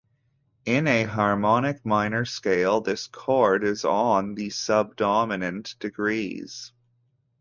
In a harmonic minor scale, this chord is on the subdominant degrees.